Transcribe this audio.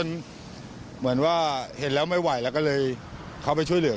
แต่เขาบอกว่าเรื่องผัวเมียเราก็ไม่กล้ายยุ่ง